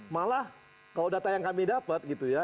malah kalau data yang kami dapat gitu ya